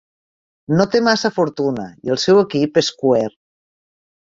No té massa fortuna i el seu equip és cuer.